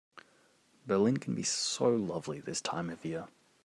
Berlin can be so lovely this time of year.